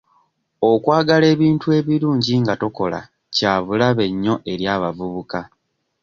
Okwagala ebintu ebirungi nga tokola kyabulabe nnyo eri abavubuka.